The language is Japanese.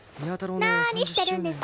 何してるんですか？